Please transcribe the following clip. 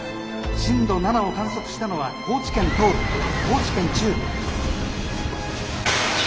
震度７を観測したのは高知県東部高知県中部」。